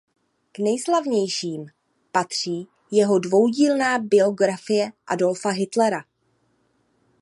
K nejslavnějším patří jeho dvoudílná biografie Adolfa Hitlera.